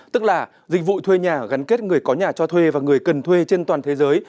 tức là dịch vụ thuê nhà gắn kết người có nhà cho thuê và người cần thuê trên toàn thế giới